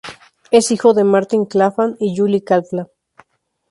Es hijo de Martin Clapham y Julie Clapham.